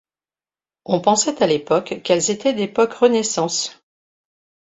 On pensait à l'époque qu'elles étaient d'époque renaissance.